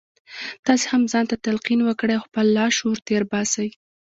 تاسې هم ځان ته تلقين وکړئ او خپل لاشعور تېر باسئ.